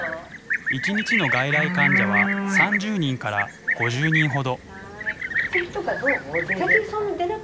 一日の外来患者は３０人から５０人ほど。